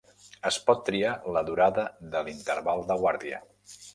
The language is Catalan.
Es pot triar la durada de l'Interval de Guàrdia.